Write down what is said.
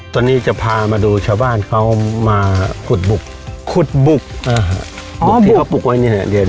ตอนนี้จะพามาดูชาวบ้านเขามาขุดบุกขุดบุกที่เขาปลุกไว้เนี่ย